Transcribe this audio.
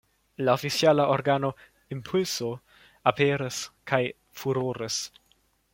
La oficiala organo "Impulso" aperis kaj "furoris".